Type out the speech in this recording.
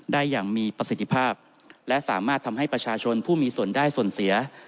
ได้อย่างมีประสิทธิภาพและสามารถทำให้ประชาชนผู้มีส่วนได้ส่วนเสีย